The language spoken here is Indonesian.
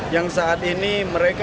dan kita ingin menjaga kemampuan mereka